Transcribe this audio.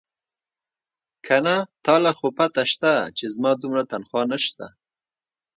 که نه تا له خو پته شتې چې زما دومره تنخواه نيشتې.